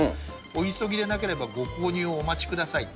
お急ぎでなければご購入をお待ちください。